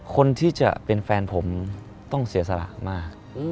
คนที่จะเป็นแฟนผมต้องเสียสละมาก